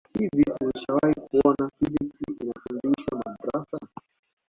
hivi ulishawahi kuona physics inafundishwa madrasa